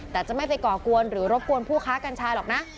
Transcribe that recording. แต่จะไม่ไปก่อกวนหรือรบกวนผู้ค้ากัญชาหรอกนะ